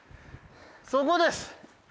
そこです。